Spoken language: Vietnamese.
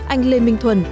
anh lê minh thuần